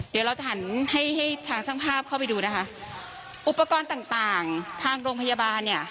เดี๋ยวเราจะหันให้ให้ทางช่างภาพเข้าไปดูนะคะอุปกรณ์ต่างต่างทางโรงพยาบาลเนี่ย